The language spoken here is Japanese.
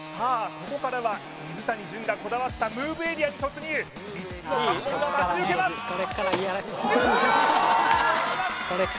ここからは水谷隼がこだわったムーブエリアに突入３つの関門が待ち受けます１４！